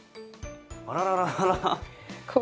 あららららら。